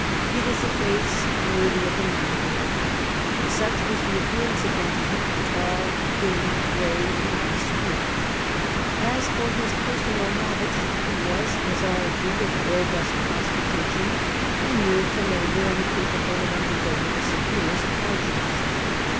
It is a face worthy of the navigator. Such was the appearance of the man : tall, thin, grave, even austere. As for his personal luibits, he wiis, as all agree, of I'obust constitutiop, inured to laboui', and capable of undergoing the severest hardships.